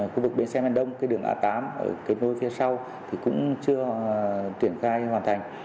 khu vực bến xe miền đông cái đường a tám ở kết nối phía sau thì cũng chưa triển khai hoàn thành